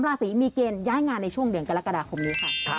ราศีมีเกณฑ์ย้ายงานในช่วงเดือนกรกฎาคมนี้ค่ะ